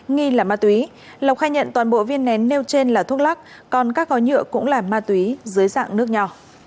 nghi là ma túy lộc khai nhận toàn bộ viên nén nêu trên là thuốc lắc còn các gói nhựa cũng là ma túy dưới dạng nước nhỏ